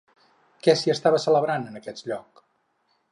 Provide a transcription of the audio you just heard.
Què s'hi estava celebrant en aquest lloc?